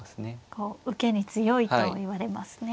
こう受けに強いといわれますね。